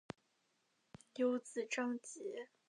有子章碣。